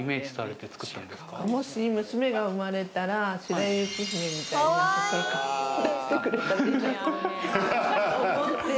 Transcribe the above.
もし娘が生まれたら白雪姫みたいに顔を出してくれたら。